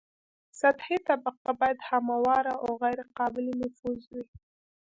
سطحي طبقه باید همواره او غیر قابل نفوذ وي